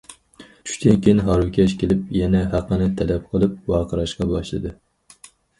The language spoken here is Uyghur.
چۈشتىن كېيىن ھارۋىكەش كېلىپ، يەنە ھەققىنى تەلەپ قىلىپ ۋارقىراشقا باشلىدى.